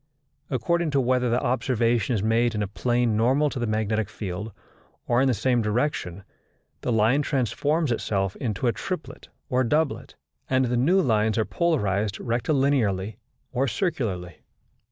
According to whether the observation is made in a plane normal to the magnetic field or in the same direction, the line transforms itself into a triplet or doublet, and the new lines are polarized rectilinearly or circularly.